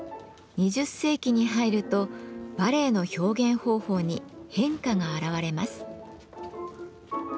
２０世紀に入るとバレエの表現方法に変化が現れます。